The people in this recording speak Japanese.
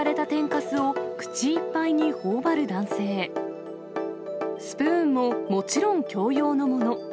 スプーンももちろん共用のもの。